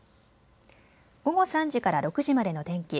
午後３時から６時までの天気。